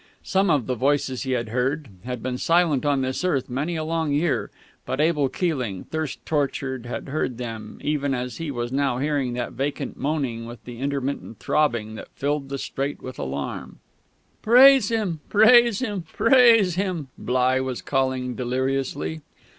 Some of the voices he had heard had been silent on earth this many a long year, but Abel Keeling, thirst tortured, had heard them, even as he was now hearing that vacant moaning with the intermittent throbbing that filled the strait with alarm.... "Praise Him, praise Him, praise Him!" Bligh was calling deliriously.